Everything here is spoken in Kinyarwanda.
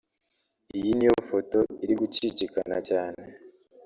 Iyi niyo foto iri gucicikana cyane